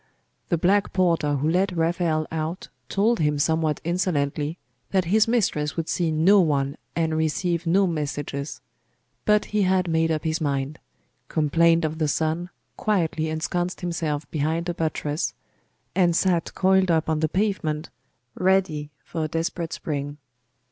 The black porter who let Raphael out told him somewhat insolently, that his mistress would see no one, and receive no messages: but he had made up his mind: complained of the sun, quietly ensconced himself behind a buttress, and sat coiled up on the pavement, ready for a desperate spring.